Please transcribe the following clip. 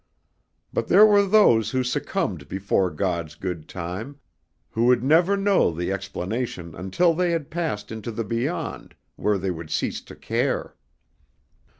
But there were those who succumbed before God's good time, who would never know the explanation until they had passed into the Beyond, where they would cease to care.